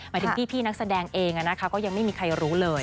หมายถึงพี่นักแสดงเองก็ยังไม่มีใครรู้เลย